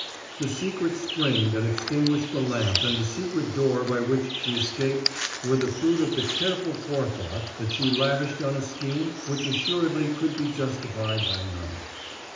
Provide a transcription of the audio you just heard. The secret spring that extinguished the lamp and the secret door by which she escaped were the fruit of the careful forethought that she lavished on a scheme which assuredly could be justified by none.